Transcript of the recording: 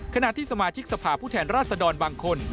ขณะที่สมาชิกสภาพผู้แทนราชดรบางคน